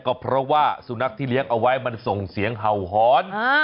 ก็เพราะว่าสุนัขที่เลี้ยงเอาไว้มันส่งเสียงเห่าหอน